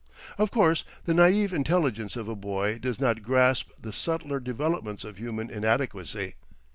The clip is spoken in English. Of course the naïve intelligence of a boy does not grasp the subtler developments of human inadequacy.